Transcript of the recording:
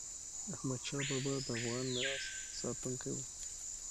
احمدشاه بابا د افغان میراث ساتونکی و.